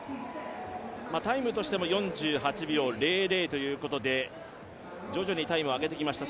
タイムとしても４８秒００ということで徐々にタイムを上げてきました。